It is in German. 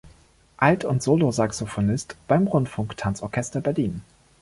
Alt- und Solo-Saxophonist beim "Rundfunk-Tanzorchester Berlin".